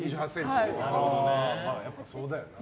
やっぱそうだよな。